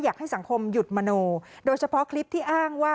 อยากให้สังคมหยุดมโนโดยเฉพาะคลิปที่อ้างว่า